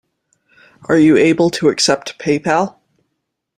Are you able to accept Paypal?